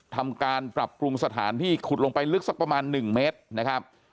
ทำการปรับปรุงสถานที่ขุดลงไปลึกสักประมาณ๑เมตรนะครับ